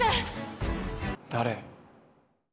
誰？